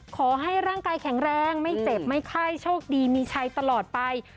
ขอให้ร่างกายแข็งแรงไม่เจ็บไม่ไข้โชคดีมีชัยตลอดไป